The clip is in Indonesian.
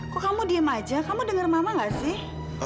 kok kamu diem aja kamu denger mama gak sih